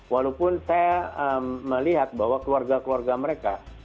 walaupun saya melihat bahwa keluarga keluarga mereka